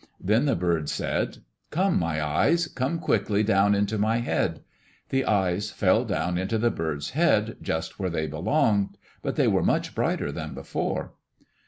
Then the bird said, "Come, my eyes. Come quickly, down into my head." The eyes fell down into the bird's head, just where they belonged, but were much brighter than before.